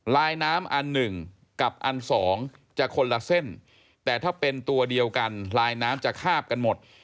ลายน้ำอันหนึ่งกับอันสองจะคนละเส้นแต่ถ้าเป็นตัวเดียวกันลายน้ำจะคาบกันหมด